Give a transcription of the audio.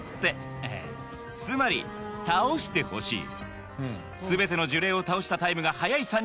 えつまり倒してほしい。